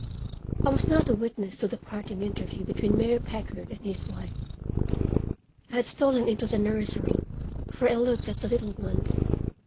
I was not a witness to the parting interview between Mayor Packard and his wife; I had stolen into the nursery, for a look at the little one.